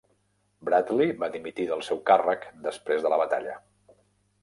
Bradley va dimitir del seu càrrec després de la batalla.